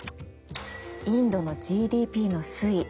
インドのＧＤＰの推移。